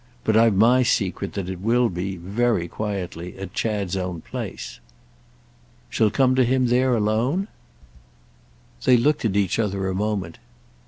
But I've my idea that it will be, very quietly, at Chad's own place." "She'll come to him there alone?" They looked at each other a moment.